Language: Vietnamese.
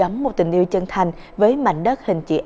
một hành chính